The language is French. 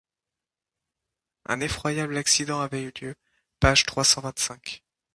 Un effroyable accident avait eu lieu, page trois cent vingt-cinq.